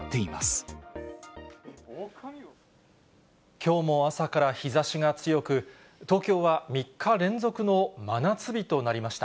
きょうも朝から日ざしが強く、東京は３日連続の真夏日となりました。